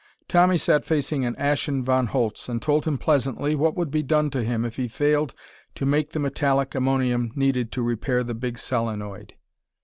Tommy sat facing an ashen Von Holtz and told him pleasantly what would be done to him if he failed to make the metallic ammonium needed to repair the big solenoid.